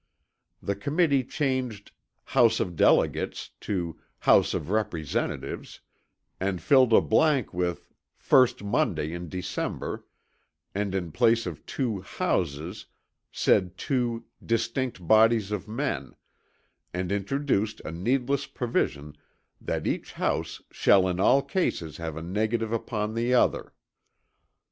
The Committee changed "House of Delegates" to "House of Representatives," and filled a blank with "first Monday in December," and in place of two "houses" said two "distinct bodies of men," and introduced a needless provision that each house "shall in all cases have a negative upon the other."